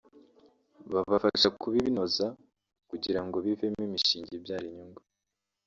babafasha kubinoza kugira ngo bivemo imishinga ibyara inyungu